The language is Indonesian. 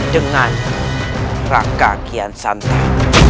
dengan raga kian santai